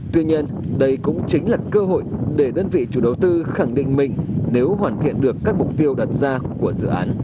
tuy nhiên đây cũng chính là cơ hội để đơn vị chủ đầu tư khẳng định mình nếu hoàn thiện được các mục tiêu đặt ra của dự án